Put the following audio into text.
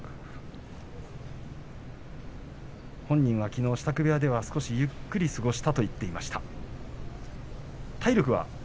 本人はきのう支度部屋で少しゆっくり過ごしたと言っていました。